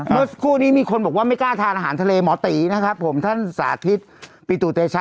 เมื่อสักครู่นี้มีคนบอกว่าไม่กล้าทานอาหารทะเลหมอตีนะครับผมท่านสาธิตปิตุเตชะ